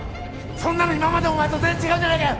そんなの今までのお前と違うじゃないかよ